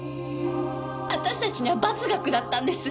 私たちには罰が下ったんです。